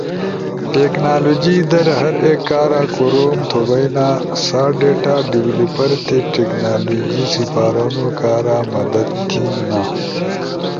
ٹیکنالوجی در ہر ایک کارا کوروم تھو بھئینا، سا ڈیتا ڈویلپر تی ٹیکنالوجی سپارونو کارا مدد تھینا،